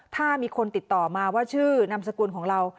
ถ้ามีคนติดต่อมาว่าชื่อนามสกุลของเรา